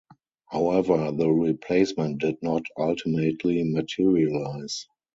However, the replacement did not ultimately materialize.